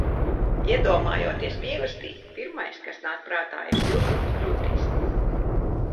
Iedomājoties mīlestību, pirmais, kas nāk prātā ir siltums krūtīs.